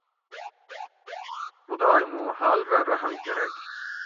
خدائ موں حال رہ رحم کرگ